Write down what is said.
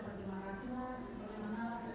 pada miliki saudara